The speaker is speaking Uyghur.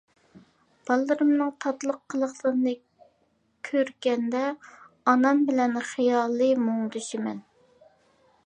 باللىرىمنىڭ تاتلىق قىلىقلىرىنى كۆرگەندە ئانام بىلەن خىيالى مۇڭدىشىمەن.